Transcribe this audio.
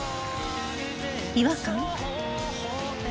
違和感？